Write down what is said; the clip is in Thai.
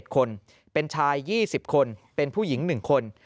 ๗คนเป็นชาย๒๐คนเป็นผู้หญิง๑คน